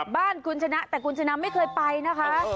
บ้านคุณชนะแต่คุณชนะไม่เคยไปนะคะ